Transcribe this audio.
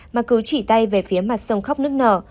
mà cứ chỉ tay về phía mặt sông khóc nước nở